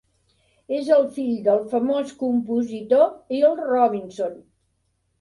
És el fill del famós compositor Earl Robinson.